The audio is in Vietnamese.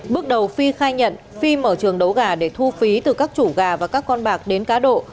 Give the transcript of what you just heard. bước đầu phi khai nhận phi mở trường đấu gà để thu phí từ các chủ gà và các con bạc đến cá độ